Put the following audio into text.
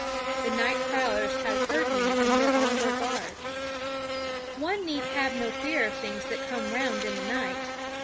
The night prowlers had heard me and were on their guard. One need have no fear of things that come round in the night.